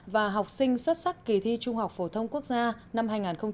và học sinh xuất sắc kỳ thi trung học phổ thông quốc gia năm hai nghìn một mươi tám